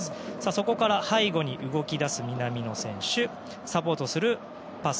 そこから背後に動き出す南野選手サポートするパス。